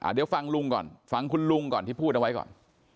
เดี๋ยวฟังลุงก่อนฟังคุณลุงก่อนที่พูดเอาไว้ก่อน